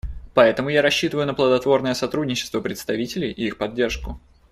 Поэтому я рассчитываю на плодотворное сотрудничество представителей и их поддержку.